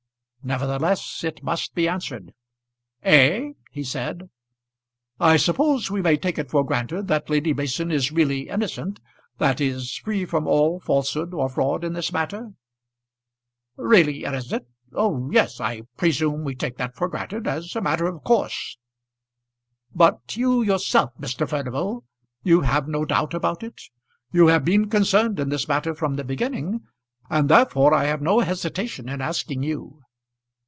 Nevertheless it must be answered. "Eh?" he said. "I suppose we may take it for granted that Lady Mason is really innocent, that is, free from all falsehood or fraud in this matter?" "Really innocent! Oh yes; I presume we take that for granted, as a matter of course." "But you yourself, Mr. Furnival; you have no doubt about it? You have been concerned in this matter from the beginning, and therefore I have no hesitation in asking you."